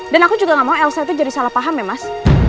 dan aku juga nggak mau elsa itu jadi salah paham ya mas